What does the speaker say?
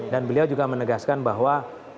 dan beliau juga menegaskan bahwa